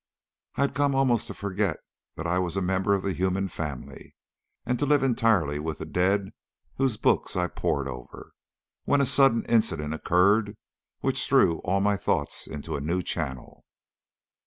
I had come almost to forget that I was a member of the human family, and to live entirely with the dead whose books I pored over, when a sudden incident occurred which threw all my thoughts into a new channel.